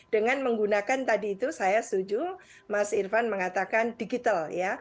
dengan menggunakan tadi itu saya setuju mas irvan mengatakan digital ya